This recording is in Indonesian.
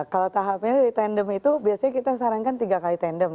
kalau tahapnya dari tandem itu biasanya kita sarankan tiga kali tandem